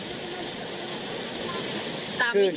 สังเกต